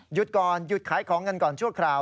ก่อนหยุดขายของกันก่อนชั่วคราว